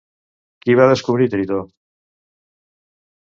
Qui va descobrir Tritó?